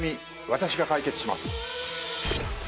私が解決します